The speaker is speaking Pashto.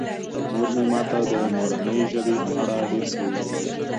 مور مې ماته د مورنۍ ژبې په اړه ډېر څه وویل.